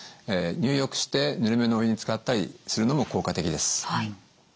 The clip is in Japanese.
入浴してぬるめのお湯につかったりするのも効果的です。